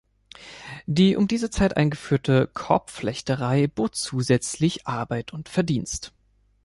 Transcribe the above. Die um diese Zeit eingeführte Korbflechterei bot zusätzlich Arbeit und Verdienst.